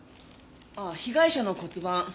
ああ被害者の骨盤。